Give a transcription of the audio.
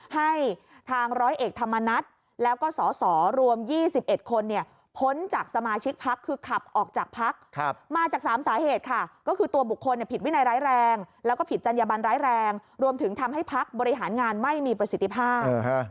ให้ทางร้อยเอกธรรมนัฏแล้วก็สสรวม๒๑คนพ้นจากสมาชิกพักคือขับออกจากพักมาจาก๓สาเหตุค่ะก็คือตัวบุคคลผิดวินัยร้ายแรงแล้วก็ผิดจัญญบันร้ายแรงรวมถึงทำให้พักบริหารงานไม่มีประสิทธิภาพ